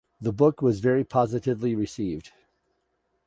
The book was very positively received.